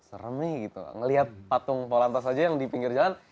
ngelihat polisi tuh aduh serem nih gitu ngelihat patung polantas aja yang di pinggir jalan